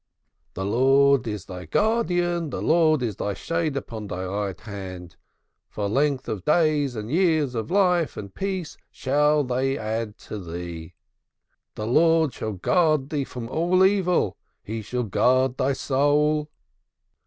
The Lord is thy guardian; the Lord is thy shade upon thy right hand. For length of days and years of life and peace shall they add to thee. The Lord shall guard thee from all evil. He shall guard thy soul."